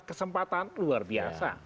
kesempatan luar biasa